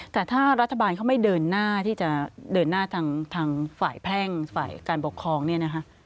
แต่ถ้ารัฐบาลเขาไม่เดินหน้าที่จะเดินหน้าทางฝ่ายแพ่งฝ่ายการปกครองเนี่ยนะคะ